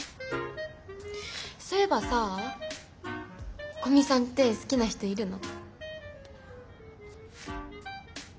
そういえばさ古見さんって好きな人いるの？